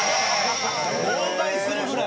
号外するぐらい？